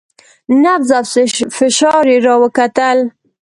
نبض او فشار يې راوکتل.